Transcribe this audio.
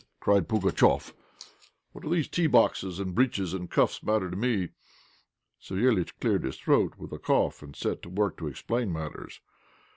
cried Pugatchéf. "What do these tea boxes and breeches with cuffs matter to me?" Savéliitch cleared his throat with a cough, and set to work to explain matters.